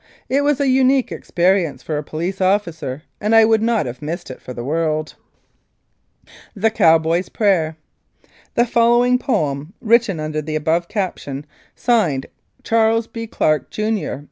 It was a unique experience for a police officer, and I would not have missed it for the world : THE COWBOY'S PRAYER The following poem, written under the above caption, signed Charles B. Clark, Jr.